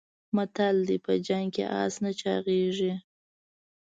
متل دی: په جنګ کې اس نه چاغېږي.